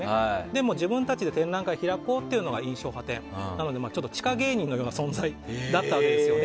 でも自分たちで展覧会開こうというのが印象派で地下芸人みたいな存在だったんですよ。